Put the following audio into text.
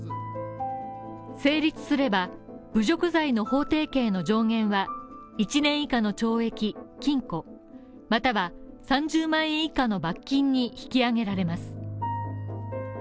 成立すれば、侮辱罪の法定刑の上限は１年以下の懲役・禁錮、または３０万円以下の罰金に引き上げられます。